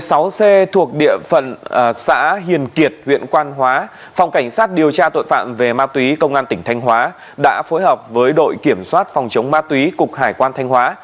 tại cô lộ một mươi sáu c thuộc địa phận xã hiền kiệt huyện quan hóa phòng cảnh sát điều tra tội phạm về ma túy công an tỉnh thanh hóa đã phối hợp với đội kiểm soát phòng chống ma túy cục hải quan thanh hóa